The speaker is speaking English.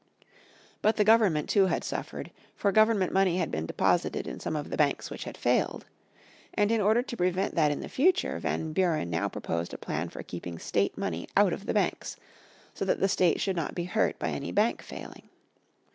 But the Government too had suffered, for government money had been deposited in some of the banks which had failed. And in order to prevent that in the future Van Buren now proposed a plan for keeping State money out of the banks, so that the State should not be hurt by any bank failing.